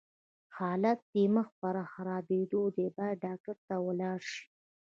حالت دې مخ پر خرابيدو دی، بايد ډاکټر ته ولاړ شې!